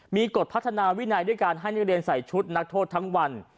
มีกฎพัฒนาวินัยด้วยการให้นักเรียนใส่ชุดนักโทษทั้งวัน